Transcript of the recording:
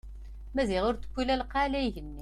Maziɣ ur t-tewwi la lqaɛa la igenni.